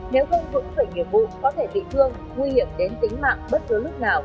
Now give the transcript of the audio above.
nếu không phụ thuộc về nhiệm vụ có thể bị thương nguy hiểm đến tính mạng bất cứ lúc nào